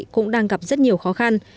cũng đang gặp rất nhiều khó khăn